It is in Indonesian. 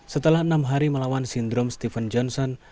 setelah enam hari melawan sindrom stephen johnson